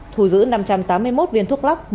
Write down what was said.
thù giữ năm trăm tám mươi một viên thuốc lóc